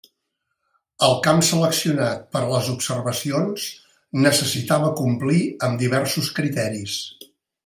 El camp seleccionat per a les observacions necessitava complir amb diversos criteris.